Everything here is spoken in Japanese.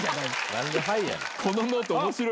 何で「ハイ」やねん！